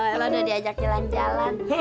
kalau udah diajak jalan jalan